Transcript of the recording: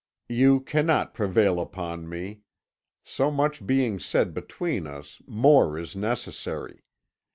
"You cannot prevail upon me. So much being said between us, more is necessary.